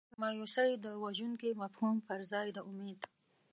د مایوسۍ د وژونکي مفهوم پر ځای د امید.